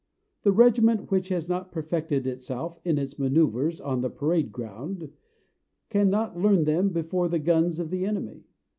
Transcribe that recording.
The regiment which has not perfected itself in its manoeuvres on the parade ground, cannot learn them before the guns of the enemy.